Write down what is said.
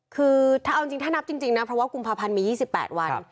คือถ้านับจริงนะเพราะว่ากลุ่มภาพันธ์มี๒๘วัน